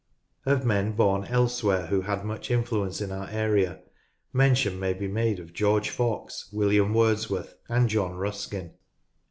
Of men born elsewhere who had much influence in our area, mention may be made of George Fox, William Wordsworth, and John Ruskin.